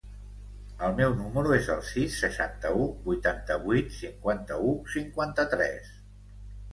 El meu número es el sis, seixanta-u, vuitanta-vuit, cinquanta-u, cinquanta-tres.